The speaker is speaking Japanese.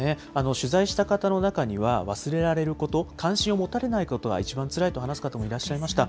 取材した方の中には、忘れられること、関心を持たれないことが一番つらいと話す方もいらっしゃいました。